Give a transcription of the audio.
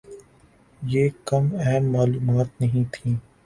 یہ کم اہم معلومات نہیں تھیں۔